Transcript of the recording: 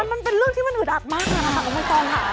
มันเป็นเรื่องที่มันอึดอัดมากนะครับอ๋อไม่ต้องค่ะ